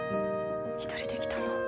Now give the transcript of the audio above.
一人で来たの？